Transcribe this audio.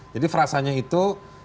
jadi frasanya itu